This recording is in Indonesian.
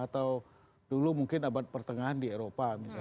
atau dulu mungkin abad pertengahan di eropa misalnya